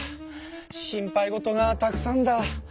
心配事がたくさんだ。